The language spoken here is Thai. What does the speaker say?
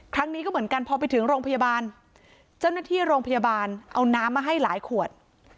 ครั้งนี้ก็เหมือนกันพอไปถึงโรงพยาบาลเจ้าหน้าที่โรงพยาบาลเอาน้ำมาให้หลายขวด